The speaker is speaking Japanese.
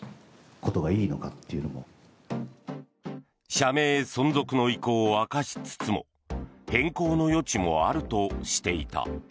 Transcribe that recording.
社名存続の意向を明かしつつも変更の余地もあるとしていた。